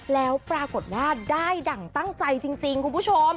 แล้วปรากฏว่าได้ดั่งตั้งใจจริงคุณผู้ชม